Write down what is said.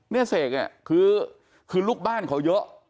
เนื้อเสกคือลูกบ้านเขาเยอะ